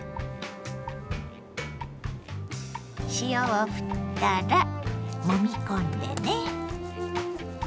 塩をふったらもみ込んでね。